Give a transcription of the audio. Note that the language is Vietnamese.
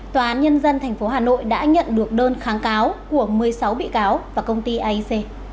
tòa án nhân dân tp hà nội đã nhận được đơn kháng cáo của một mươi sáu bị cáo và công ty aic